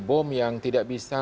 bom yang tidak bisa